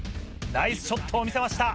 ナイスショットを見せました。